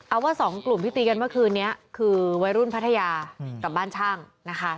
เอาว่าสองกลุ่มที่ตีกันเมื่อคืนนี้คือวัยรุ่นพัทยากับบ้านช่างนะคะ